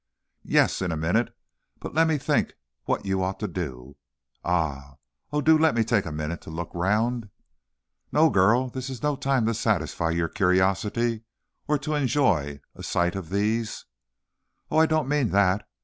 "Yes, in a minute, but let me think what you ought to do. And, oh, do let me take a minute to look round!" "No, girl; this is no time to satisfy your curiosity or, to enjoy a sight of these " "Oh, I don't mean that!